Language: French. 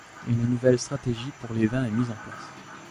Une nouvelle stratégie pour les vins est mise en place.